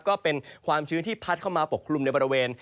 ก็เป็นความชื้นที่พัดเข้ามาปกคลุมในบริเวณ